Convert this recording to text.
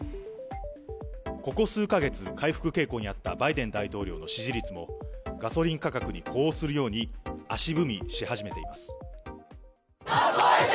ここ数か月、回復傾向にあったバイデン大統領の支持率も、ガソリン価格に呼応するように足踏みし始めています。